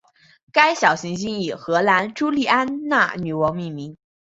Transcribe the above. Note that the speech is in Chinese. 该小行星以荷兰朱丽安娜女王命名。